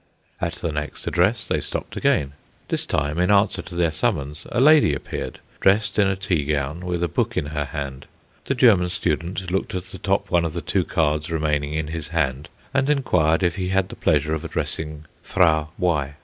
At the next address they stopped again. This time, in answer to their summons, a lady appeared, dressed in a tea gown, with a book in her hand. The German student looked at the top one of two cards remaining in his hand, and enquired if he had the pleasure of addressing Frau Y.